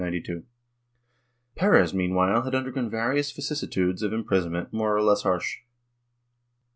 Perez, meanwhile, had undergone various vicissitudes of im prisonment, more or less harsh.